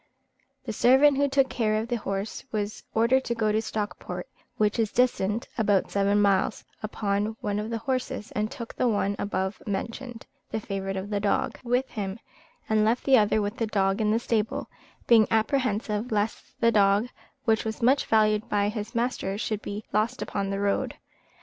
The servant who took care of the horses was ordered to go to Stockport (which is distant about seven miles), upon one of the horses, and took the one above mentioned (the favourite of the dog), with him, and left the other with the dog in the stable; being apprehensive lest the dog, which was much valued by his master, should be lost upon the road.